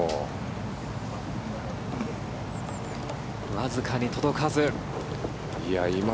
わずかに届かず。